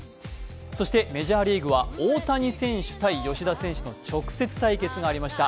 そしてメジャーリーグは大谷選手対吉田選手の直接対決がありました。